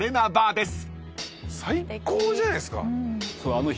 最高じゃないですか。